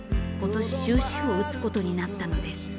今年終止符を打つことになったのです。